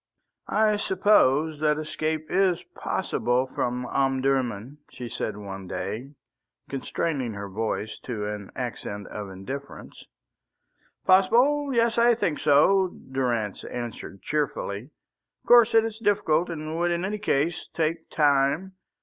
"I suppose that escape is possible from Omdurman," she said one day, constraining her voice to an accent of indifference. "Possible? Yes, I think so," Durrance answered cheerfully. "Of course it is difficult and would in any case take time.